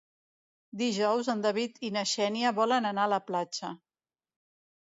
Dijous en David i na Xènia volen anar a la platja.